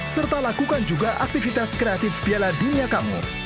serta lakukan juga aktivitas kreatif piala dunia kamu